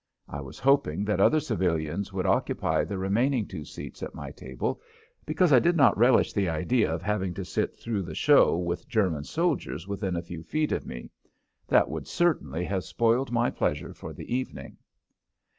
I was hoping that other civilians would occupy the remaining two seats at my table because I did not relish the idea of having to sit through the show with German soldiers within a few feet of me. That would certainly have spoiled my pleasure for the evening.